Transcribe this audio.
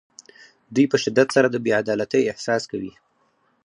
دوی په شدت سره د بې عدالتۍ احساس کوي.